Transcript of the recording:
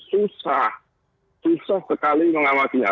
susah susah sekali mengawasinya